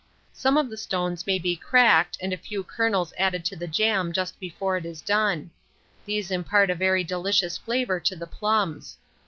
Some of the stones may be cracked, and a few kernels added to the jam just before it is done: these impart a very delicious flavour to the plums.